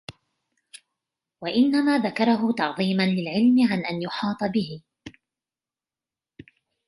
وَإِنَّمَا ذَكَرَهُ تَعْظِيمًا لِلْعِلْمِ عَنْ أَنْ يُحَاطَ بِهِ